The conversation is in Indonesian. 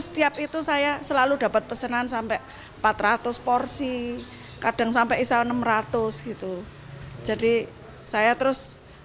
setiap itu saya selalu dapat pesanan sampai empat ratus porsi kadang sampai iso enam ratus gitu jadi saya terus